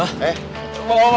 gak ada apa apa bang